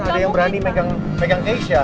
ada yang berani megang asia